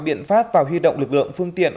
biện pháp vào huy động lực lượng phương tiện